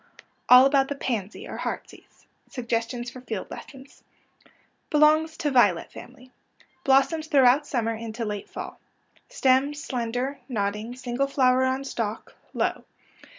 ALL ABOUT THE PANSY OR HEARTSEASE SUGGESTIONS FOR FIELD LESSONS Belongs to violet family. Blossoms throughout smnmer into late fall. Stem — slender — nodding — single flower on stalk — low.